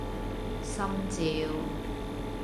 心照